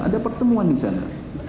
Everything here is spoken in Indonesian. ada pertemuan disana